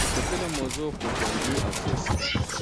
د فلم موضوع خو جنګي او سياسي ده